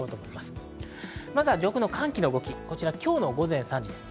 まずは上空の寒気の動き、今日の午前３時です。